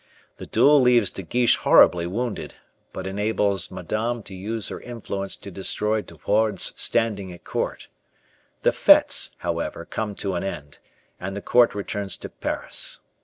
The duel leaves De Guiche horribly wounded, but enables Madame to use her influence to destroy De Wardes's standing at court. The fetes, however, come to an end, and the court returns to Paris.